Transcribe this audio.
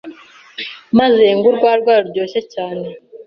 maze yenga urwagwa ruryoshye cyane